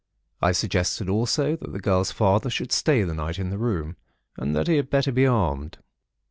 I suggested also, that the girl's father should stay the night in the room, and that he had better be armed.